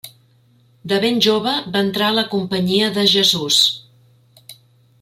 De ben jove va entrar a la Companyia de Jesús.